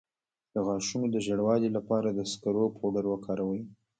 د غاښونو د ژیړوالي لپاره د سکرو پوډر وکاروئ